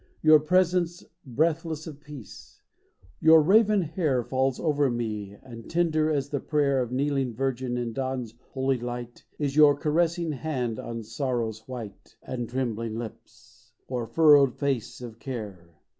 Your presence breathes of peace ; your raven hair Falls over me and tender as the prayer Of kneeling virgin in dawn's hol}^ light Is your carressing hand on Sorrow's white And trembling lips, or furrowed face of Care.